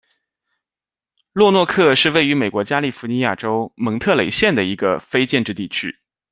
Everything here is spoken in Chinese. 洛诺克是位于美国加利福尼亚州蒙特雷县的一个非建制地区。